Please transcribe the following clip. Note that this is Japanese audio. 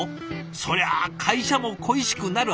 そりゃあ会社も恋しくなるはずです。